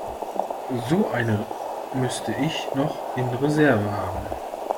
So eine müsste ich noch in Reserve haben.